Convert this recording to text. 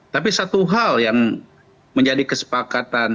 tapi satu hal yang menjadi kesepakatan